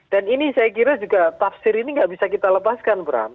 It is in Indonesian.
dan ini saya kira juga tafsir ini nggak bisa kita lepaskan bram